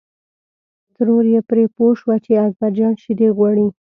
ترور یې پرې پوه شوه چې اکبر جان شیدې غواړي.